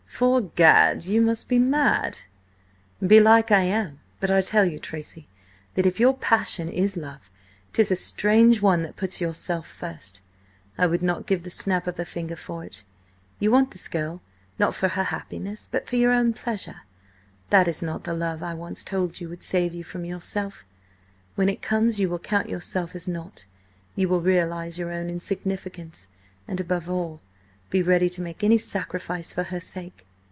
'Fore Gad, you must be mad!" "Belike I am; but I tell you, Tracy, that if your passion is love, 'tis a strange one that puts yourself first. I would not give the snap of a finger for it! You want this girl, not for her happiness, but for your own pleasure. That is not the love I once told you would save you from yourself. When it comes, you will count yourself as nought; you will realise your own insignificance, and above all, be ready to make any sacrifice for her sake.